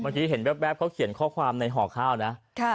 เมื่อกี้เห็นแป๊บแป๊บเขาเขียนข้อความในห่อข้าวนะค่ะ